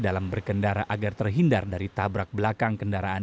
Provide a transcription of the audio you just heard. dalam berkendara agar terhindar dari tabrak belakang kendaraan